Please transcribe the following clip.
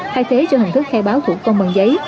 thay thế cho hình thức khai báo thủ công bằng giấy